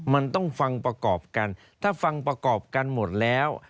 มันต้องฟังประกอบกันถ้าฟังประกอบกันหมดแล้ว